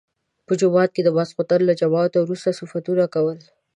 په جومات کې د ماخستن له جماعت وروسته صفتونه کول.